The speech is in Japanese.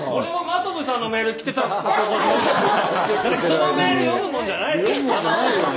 人のメール読むものじゃないね。